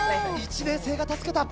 １年生が助けた。